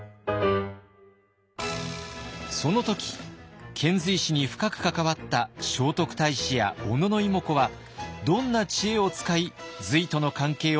その時遣隋使に深く関わった聖徳太子や小野妹子はどんな知恵を使い隋との関係を深めたのか。